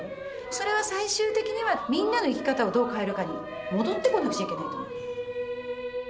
それは最終的にはみんなの生き方をどう変えるかに戻ってこなくちゃいけないと思う。